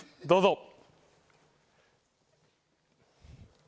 どうぞ！